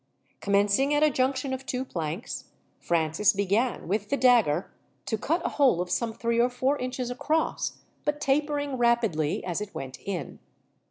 Commencing at a junction of two planks, Francis began, with the dagger, to cut a hole of some three or four inches across, but tapering rapidly as it went in.